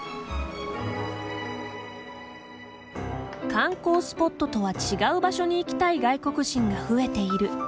観光スポットとは違う場所に行きたい外国人が増えている。